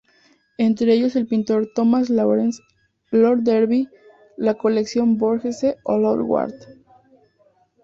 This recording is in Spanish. Entre ellos, el pintor Thomas Lawrence, lord Derby, la Colección Borghese o lord Ward.